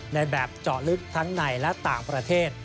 ในแบบเจาะลึกทั้งในและต่างประเทศ